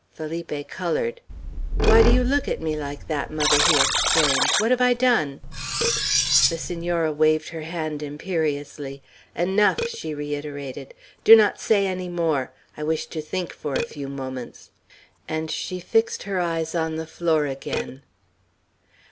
Felipe colored. "Why do you look at me like that, mother?" he exclaimed. "What have I done?" The Senora waved her hand imperiously. "Enough!" she reiterated. "Do not say any more. I wish to think for a few moments;" and she fixed her eyes on the floor again.